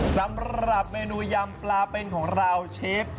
สำหรับเมนูยำปลาเป็นของเราเชฟ